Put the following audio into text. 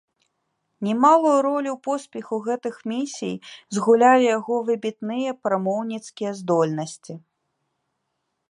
Немалую ролю ў поспеху гэтых місій згулялі яго выбітныя прамоўніцкія здольнасці.